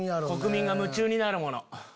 国民が夢中になるもの。